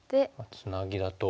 ツナギだと。